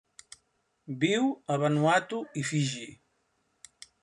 Viu a Vanuatu i Fiji.